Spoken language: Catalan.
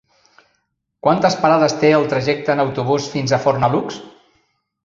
Quantes parades té el trajecte en autobús fins a Fornalutx?